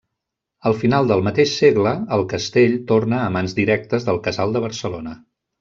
Al final del mateix segle, el castell torna a mans directes del casal de Barcelona.